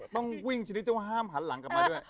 ต้องวิ่งชนิดเจ้าห้ามหันหลังกลับมาด้วย